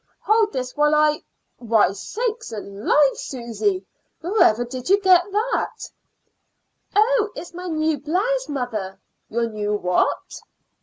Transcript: Hold this while I Why, sakes alive, Susy! wherever did you get " "Oh, it's my new blouse, mother." "Your new what?"